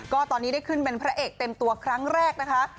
ก็ตอนนี้ได้ขึ้นเป็นพระเอกเต็มตัวครั้งแรกนะคะ